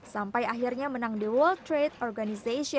sampai akhirnya menang di world trade organization